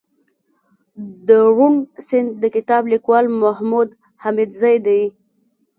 دروڼ سيند دکتاب ليکوال محمودحميدزى دئ